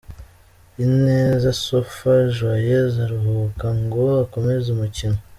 Ineza Sofa Joyeuse aruhuka ngo akomeze umukino